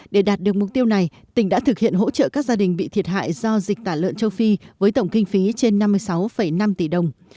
để đạt được mục tiêu này tỉnh đã thực hiện hỗ trợ các gia đình bị thiệt hại do dịch tả lợn châu phi với tổng kinh phí trên năm mươi sáu năm tỷ đồng